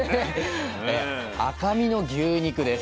赤身の牛肉です。